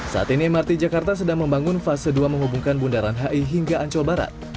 saat ini mrt jakarta sedang membangun fase dua menghubungkan bundaran hi hingga ancol barat